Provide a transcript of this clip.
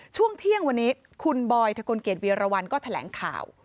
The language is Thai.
ช่วงเที่ยงวันนี้คุณบอยทะกลเกียจวีรวรรณก็แถลงข่าว